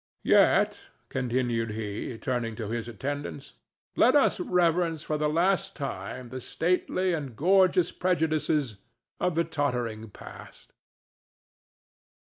—Yet," continued he, turning to his attendants, "let us reverence for the last time the stately and gorgeous prejudices of the tottering past."